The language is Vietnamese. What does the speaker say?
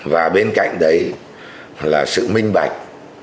và bên cạnh đấy là sự minh bạch